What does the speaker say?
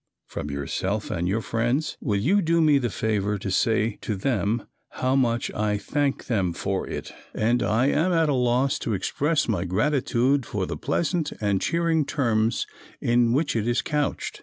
from yourself and your friends. Will you do me the favor to say to them how much I thank them for it, and that I am at a loss to express my gratitude for the pleasant and cheering terms in which it is couched.